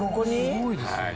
すごいですね。